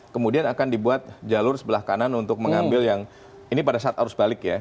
kemudian akan dibuat jalur sebelah kanan untuk mengambil yang ini pada saat arus balik ya